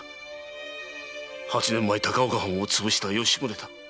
八年前高岡藩を潰した吉宗だ。